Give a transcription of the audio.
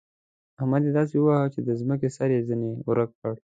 احمد يې داسې وواهه چې د ځمکې سر يې ځنې ورک کړ.